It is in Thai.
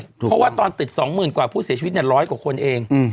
ถูกต้องเพราะว่าตอนติดสองหมื่นกว่าผู้เสียชีวิตเนี่ยร้อยกว่าคนเอง